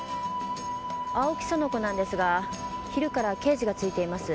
青木苑子なんですが昼から刑事がついています。